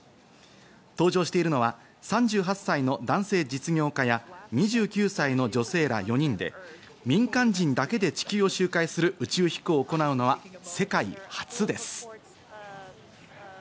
搭乗しているのは３８歳の男性実業家や２９歳の女性ら４人で、民間人だけで地球を周回する宇宙飛行を行うのは世界初です。